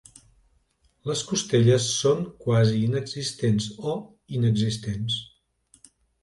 Les costelles són quasi inexistents o inexistents.